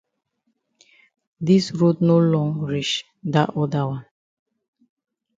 Dis road no long reach dat oda wan.